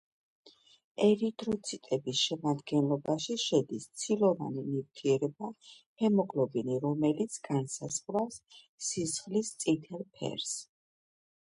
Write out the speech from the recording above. ერითროციტების შემადგენლობაში შედის ცილოვანი ნივთიერება ჰემოგლობინი, რომელიც განსაზღვრავს სისხლის წითელ ფერს.